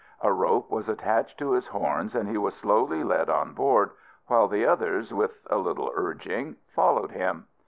A rope was attached to his horns, and he was slowly led on board, while the others, with a little urging, followed him.